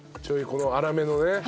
ちょいこの粗めのね。